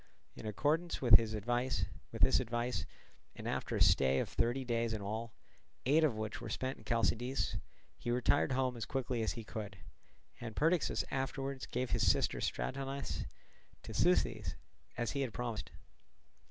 In accordance with this advice, and after a stay of thirty days in all, eight of which were spent in Chalcidice, he retired home as quickly as he could; and Perdiccas afterwards gave his sister Stratonice to Seuthes as he had promised.